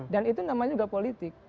dan itu namanya juga politik